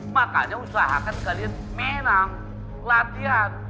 makanya usahakan kalian menang latihan